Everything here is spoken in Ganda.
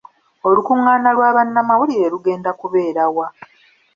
Olukungaana lwa bannamawulire lugenda kubeera wa?